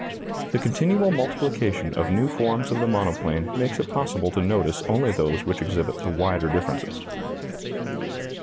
The continual multiplication of new forms of the monoplane makes it possible to notice only those which exhibit the wider differences.